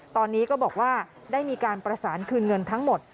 ตอนนี้ก็บอกว่าได้มีการประสานคืนเงินทั้งหมด